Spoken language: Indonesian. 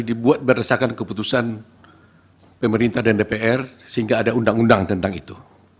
dibuat berdasarkan keputusan pemerintah dan dpr sehingga ada undang undang tentang itu